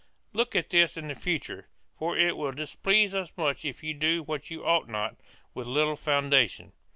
Look to this in the future, for it will displease us much if you do what you ought not, with little foundation."